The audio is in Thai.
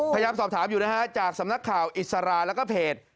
พยายามสอบถามอยู่นะฮะจากสำนักข่าวอิสราแล้วก็เพจ